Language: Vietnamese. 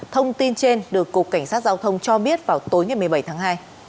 thông tin trên được cục cảnh sát giao thông cho biết vào tối ngày một mươi bảy tháng hai